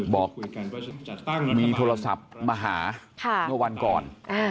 บอกมีโทรศัพท์มาหาเมื่อวันก่อน